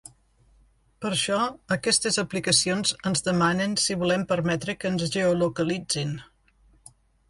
Per això aquestes aplicacions ens demanen si volem permetre que ens geolocalitzin.